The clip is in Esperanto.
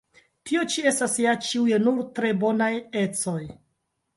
Tio ĉi estas ja ĉiuj nur tre bonaj ecoj!